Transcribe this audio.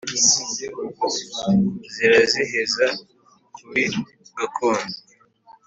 Ziraziheza kuri gakondo